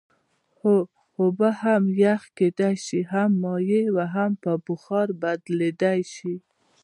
هو اوبه هم یخ کیدای شي هم مایع او هم په بخار بدلیدلی شي